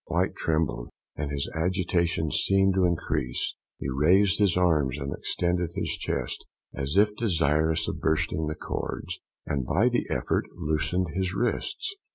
White trembled, and his agitation seemed to increase; he raised his arms, and extended his chest, as if desirous of bursting the cords, and by the effort loosened his wrists.